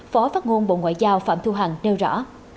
phó phát ngôn bộ ngoại giao phạm thu hằng nêu rõ